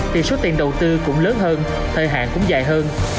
thì số tiền đầu tư cũng lớn hơn thời hạn cũng dài hơn